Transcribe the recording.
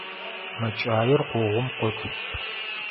Мэкӏаир къогъум къот.